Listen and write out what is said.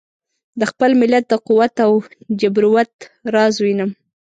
د خپل ملت د قوت او جبروت راز وینم.